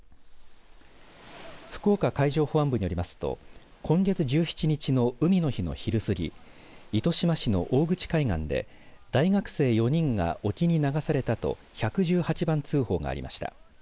福岡海上保安部によりますと今月１７日の海の日の昼過ぎ糸島市の大口海岸で大学生４人が沖に流されたと１１８番通報がありました。